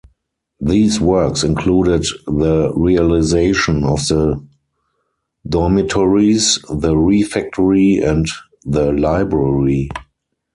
These works included the realization of the dormitories, the refectory and the library.